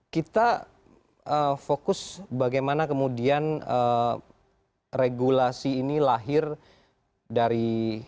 kita fokus bagaimana kemudian regulasi ini lahir dari